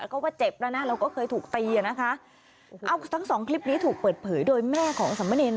ก็ว่าเจ็บแล้วนะเราก็เคยถูกตีอ่ะนะคะเอาทั้งสองคลิปนี้ถูกเปิดเผยโดยแม่ของสามเณร